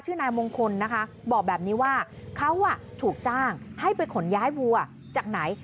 นายมงคลนะคะบอกแบบนี้ว่าเขาถูกจ้างให้ไปขนย้ายวัวจากไหน